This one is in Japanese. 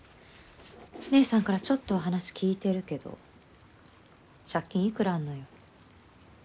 姉さんからちょっとは話聞いてるけど借金いくらあんのよ？